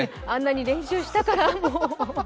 あんなに練習したから。